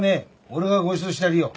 俺がごちそうしてやるよ。